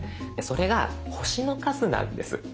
それが星の数なんです。